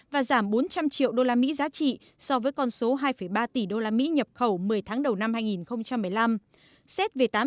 và giảm bốn trăm linh triệu usd giá trị so với con số hai ba tỷ usd nhập khẩu một mươi tháng đầu năm hai nghìn một mươi năm